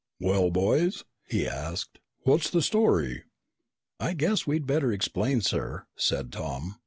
"Well, boys," he asked, "what's the story?" "I guess we'd better explain, sir," said Tom.